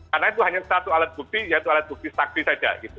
karena itu hanya satu alat bukti yaitu alat bukti saksi saja